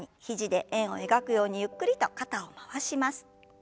肘で円を描くようにゆっくりと肩を回します。